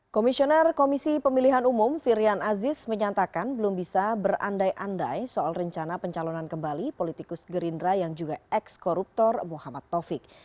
komisioner komisi pemilihan umum firian aziz menyatakan belum bisa berandai andai soal rencana pencalonan kembali politikus gerindra yang juga ex koruptor muhammad taufik